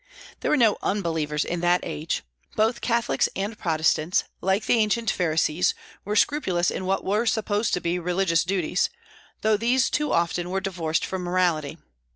There were no unbelievers in that age. Both Catholics and Protestants, like the ancient Pharisees, were scrupulous in what were supposed to be religious duties, though these too often were divorced from morality.